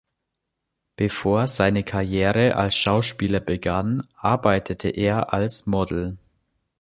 Bevor seine Karriere als Schauspieler begann, arbeitete er als Model.